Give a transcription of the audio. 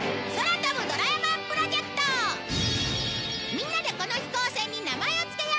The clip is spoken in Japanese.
みんなでこの飛行船に名前を付けよう！